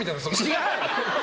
違う！